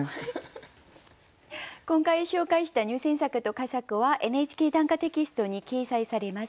今回紹介した入選作と佳作は「ＮＨＫ短歌」テキストに掲載されます。